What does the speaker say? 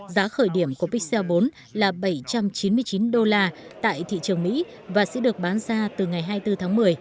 giá khởi điểm của pixel bốn là bảy trăm chín mươi chín đô la tại thị trường mỹ và sẽ được bán ra từ ngày hai mươi bốn tháng một mươi